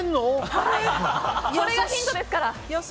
これがヒントですから。